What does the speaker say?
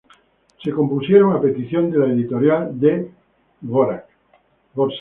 Se compusieron a petición de la editorial de Dvořák.